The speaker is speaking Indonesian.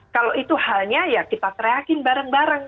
kalau itu halnya ya kita teriakin bareng bareng